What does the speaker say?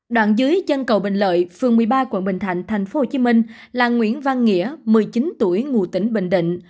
đoạn dưới chân cầu bình lợi phường một mươi ba quận bình thạnh thành phố hồ chí minh là nguyễn văn nghĩa một mươi chín tuổi ngù tỉnh bình định